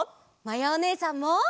まやおねえさんも！